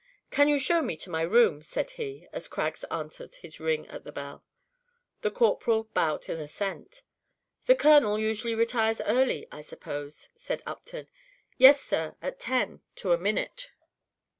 Can you show me to my room?" said he, as Craggs answered his ring at the bell. The Corporal bowed an assent. "The Colonel usually retires early, I suppose?" said Upton. "Yes, sir; at ten to a minute."